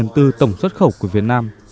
tổng xuất khẩu của việt nam